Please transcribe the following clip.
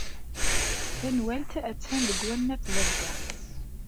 Tanwalt attan deg wannag n wadda.